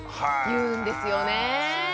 言うんですよねえ。